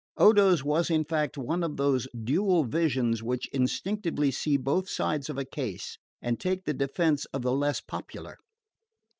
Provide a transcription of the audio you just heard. Odo's was in fact one of those dual visions which instinctively see both sides of a case and take the defence of the less popular.